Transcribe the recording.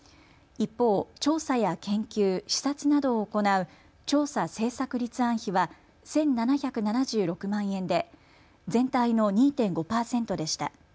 一方、調査や研究、視察などを行う調査・政策立案費は１７７６万円で全体の２．５％でした。